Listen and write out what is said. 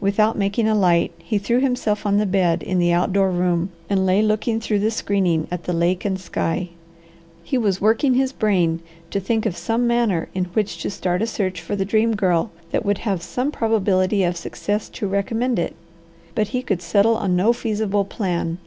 Without making a light, he threw himself on the bed in the outdoor room, and lay looking through the screening at the lake and sky. He was working his brain to think of some manner in which to start a search for the Dream Girl that would have some probability of success to recommend it, but he could settle on no feasible plan.